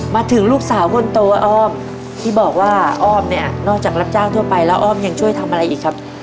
มาถึงลูกสาวคนโตอ้อมที่บอกว่าอ้อมเนี่ยนอกจากรับจ้างทั่วไปแล้วอ้อมยังช่วยทำอะไรอีกครับ